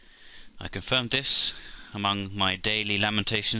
I confirmed this, among my daily lamentations